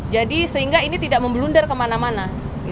jadi sehingga ini tidak membelundar kemana mana